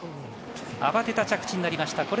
慌てた着地になりました。